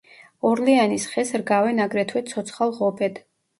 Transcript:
ორლეანის ხეს რგავენ აგრეთვე ცოცხალ ღობედ.